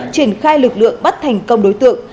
triển khai lực lượng bắt thành công đối tượng